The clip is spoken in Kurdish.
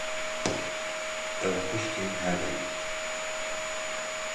Ew xwişkên hev in